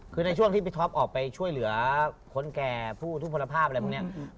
คือในช่วงที่พี่ท็อปออกไปช่วยเหลือคนแก่ผู้ทุกคนภาพอะไรพวกนี้